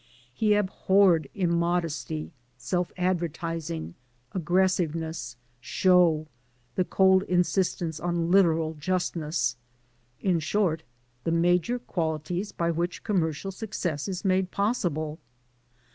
He abhorred im modesty, self advertising, aggressiveness, show, the cold insistence on literal justness — ^in short, the major qualities by which commercial success is made possible.